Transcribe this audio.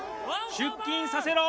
出勤させろ！